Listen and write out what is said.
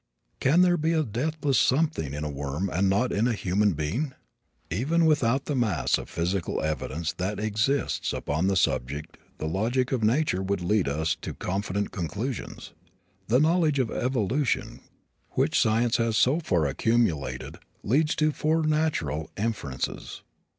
Can there be a deathless something in a worm and not in a human being? Even without the mass of physical evidence that exists upon the subject the logic of nature would lead us to confident conclusions. The knowledge of evolution which science has so far accumulated leads to four natural inferences.